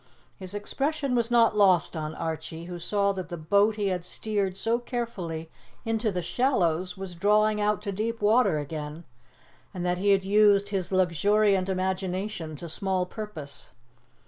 His expression was not lost on Archie, who saw that the boat he had steered so carefully into the shallows was drawing out to deep water again, and that he had used his luxuriant imagination to small purpose.